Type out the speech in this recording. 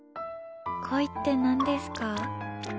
恋って何ですか？